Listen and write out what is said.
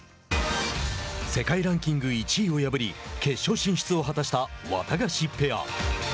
世界ランキング１位を破り決勝進出を果たしたワタガシペア。